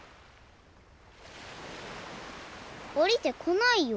おりてこないよ？